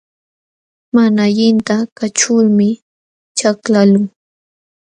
Mana allinta kaćhulmi chaklaqluu.